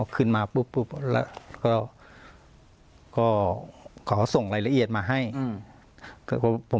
ขึ้นมาปุ๊บปุ๊บแล้วก็ก็ขอส่งรายละเอียดมาให้อืม